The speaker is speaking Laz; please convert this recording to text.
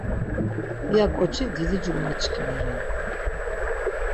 İya ǩoçi didi cumaçkimi ren.